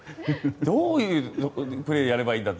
どういうプレーをやればいいんだ。